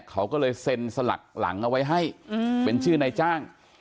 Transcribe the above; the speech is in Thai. เขาก็เลยเซ็นสลักหลังเอาไว้ให้เป็นชื่อนายจ้าง